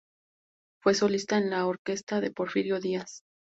Fue solista en la orquesta de Porfirio Díaz.